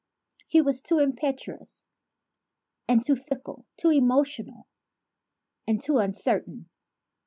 He was too impetuous and too fickle, too emotional and too uncertain.